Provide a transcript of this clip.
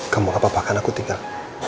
kamu gapapa kan aku tinggal